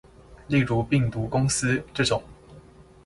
例如病毒公司這種